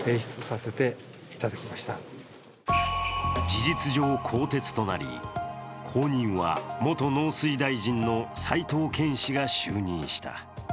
事実上、更迭となり、後任は元農水大臣の齋藤健氏が就任した。